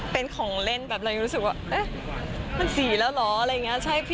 เป็นของเล่นแบบรู้สึกว่ามันสีแล้วเหรอ